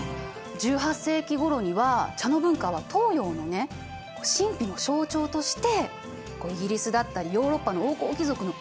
１８世紀ごろには茶の文化は東洋のね神秘の象徴としてイギリスだったりヨーロッパの王侯貴族の憧れの的になったの。